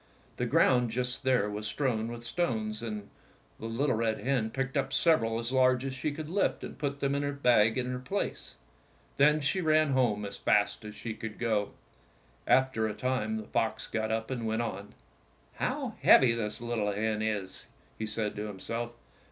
The ground just there was strewn with stones, and the little red hen picked up sev eral as large as she could lift and put them in the bag in her place. Then she ran home as fast as she could go. After a time the fox got up and went on. "How heavy this little hen is!" he said to himself.